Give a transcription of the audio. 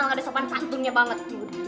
nggak ada sopan santunnya banget